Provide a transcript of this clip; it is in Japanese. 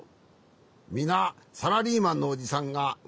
みなサラリーマンのおじさんがわるいと？